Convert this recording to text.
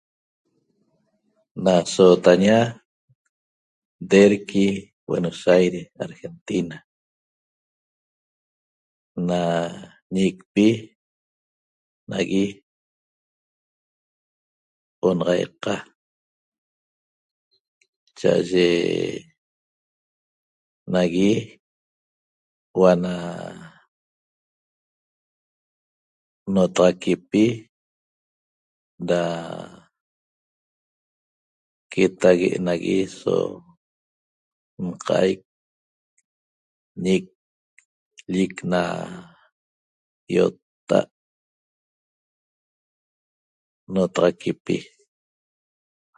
Na sotaña Derqui Buenos Aires Argentina na ñicpi onaxaiqa cha'aye nagui hua na notaxaquipi da quetague' da quetague nagui so nqaic, ñic llic na iotta'at notaxaquipi